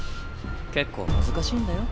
結構難しいんだよ。